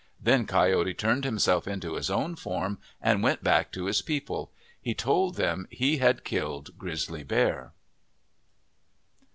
Then Coyote turned himself into his own form and went back to his people. He told them he had killed Grizzly Bear.